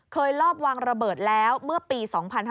ลอบวางระเบิดแล้วเมื่อปี๒๕๕๙